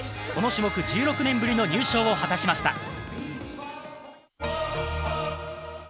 この種目、１６年ぶりの入賞を果たしました。